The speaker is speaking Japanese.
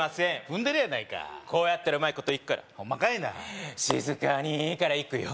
踏んでるやないかこうやったらうまいこといくからホンマかいなしずカニからいくよ